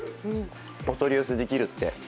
お取り寄せできるって。